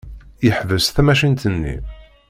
Yeḥbes tamacint-nni.